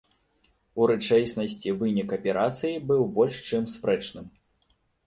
У рэчаіснасці вынік аперацыі быў больш чым спрэчным.